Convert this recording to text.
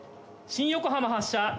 新横浜発車。